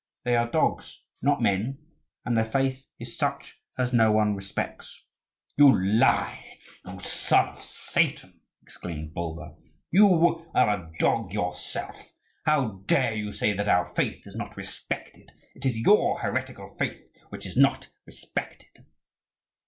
They are dogs, not men; and their faith is such as no one respects." "You lie, you son of Satan!" exclaimed Bulba. "You are a dog yourself! How dare you say that our faith is not respected? It is your heretical faith which is not respected."